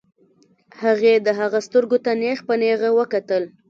هغې د هغه سترګو ته نېغ په نېغه وکتل.